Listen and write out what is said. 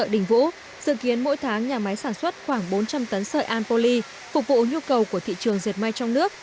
đình vũ dự kiến mỗi tháng nhà máy sản xuất khoảng bốn trăm linh tấn sợi anpoly phục vụ nhu cầu của thị trường diệt may trong nước